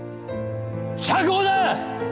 釈放だ！